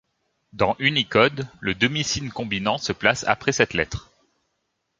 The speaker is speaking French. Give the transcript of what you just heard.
Dans Unicode, le demi-signe combinant se place après cette lettre.